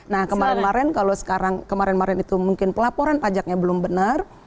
nah kemarin kemarin kalau sekarang kemarin marin itu mungkin pelaporan pajaknya belum benar